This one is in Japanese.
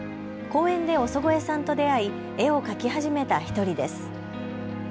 公園で尾曽越さんと出会い絵を描き始めた１人です。